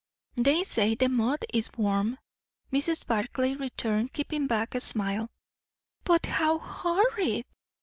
"They say the mud is warm," Mrs. Barclay returned, keeping back a smile. "But how horrid!"